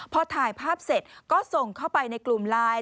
พอถ่ายภาพเสร็จก็ส่งเข้าไปในกลุ่มไลน์